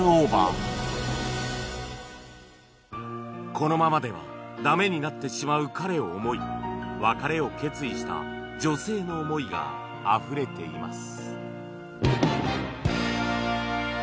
このままではダメになってしまう彼を思い別れを決意した女性の思いがあふれています